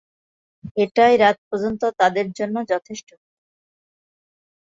এটাই রাত পর্যন্ত তাদের জন্য যথেষ্ট হত।